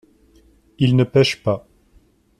Il ne pêche pas.